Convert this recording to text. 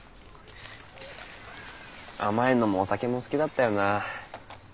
甘いのもお酒も好きだったよな。